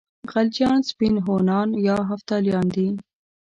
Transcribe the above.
خلجیان سپین هونان یا هفتالیان دي.